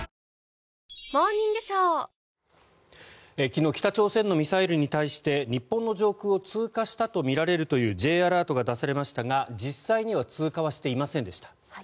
昨日北朝鮮のミサイルに対して日本の上空を通過したとみられるというＪアラートが出されましたが実際には通過はしていませんでした。